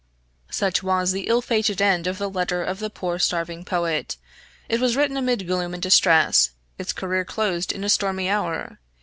Such was the ill fated end of the letter of the poor starving poet. It was written amid gloom and distress; its career closed in a stormy hour.